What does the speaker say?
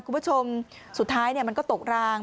คุณผู้ชมสุดท้ายมันก็ตกราง